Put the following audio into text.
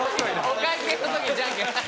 お会計の時にじゃんけん。